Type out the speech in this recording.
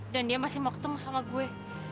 dan dia masih mau ketemu sama gue